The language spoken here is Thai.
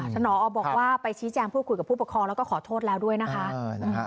สนอบอกว่าไปชี้แจงพูดคุยกับผู้ปกครองแล้วก็ขอโทษแล้วด้วยนะคะ